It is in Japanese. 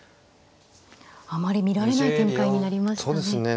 あまり見られない展開になりましたね。